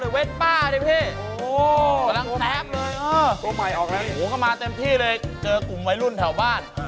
ซื้อมอเฟซมาใหม่กำลังแซฟเลยเวสป้าดิพี่แซฟเลยโหก็มาเต็มที่เลยเจอกลุ่มไว้รุ่นแถวบ้าน